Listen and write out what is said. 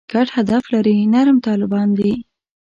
ګډ هدف لري «نرم طالبان» دي.